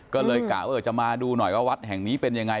ก็เลยกะว่าจะมาดูหน่อยว่าวัดแห่งนี้เป็นยังไง